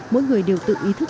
mỗi người đều tự ý thức